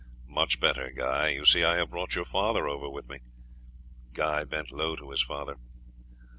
"Much better, Guy. You see I have brought your father over with me." Guy bent low to his father.